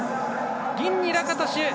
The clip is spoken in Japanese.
銀にラカトシュ。